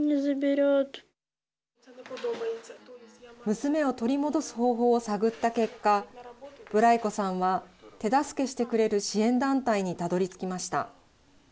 娘を取り戻す方法を探った結果ブライコさんは手助けしてくれる支援団体にたどり着きました。